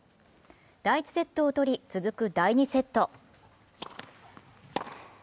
第１セットを取り、続く第２セット。